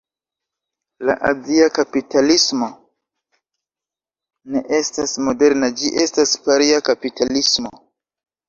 La azia kapitalismo ne estas moderna, ĝi estas paria kapitalismo.